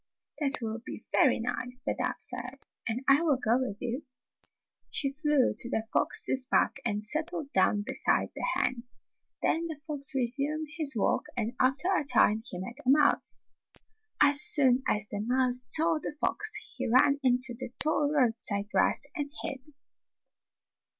"That will be very nice," the dove said, "and I will go with you." She flew to the fox's back and settled down beside the hen. Then the fox resumed his walk, and after a time he met a mouse. As * Fairy Tale Foxes 109 soon as the mouse saw the fox he ran into the tall roadside grass and hid.